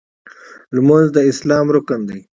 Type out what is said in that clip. لمونځ د اسلام رکن دی.